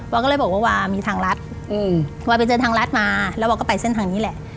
ก็เลยบอกว่าวามีทางรัฐวาไปเจอทางรัฐมาแล้ววาก็ไปเส้นทางนี้แหละ